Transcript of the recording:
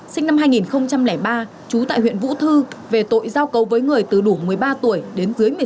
sinh năm hai nghìn ba trú tại huyện vũ thư về tội giao cấu với người từ đủ một mươi ba tuổi đến dưới một mươi sáu